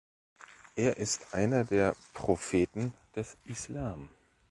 Er ist einer der Propheten des Islam.